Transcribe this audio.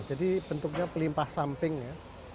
jadi bentuknya pelimpah sampingnya